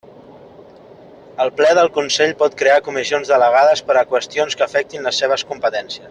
El Ple del Consell pot crear comissions delegades per a qüestions que afectin les seves competències.